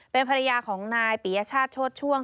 เป็นภรรยาของนายปียชาติโชดช่วง